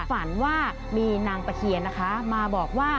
ฝันว่ามีนางตะเคียนนะคะมาบอกว่า